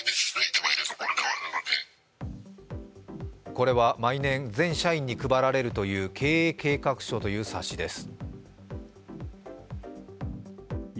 これは毎年、全社員に配られるという経営計画書という冊子です。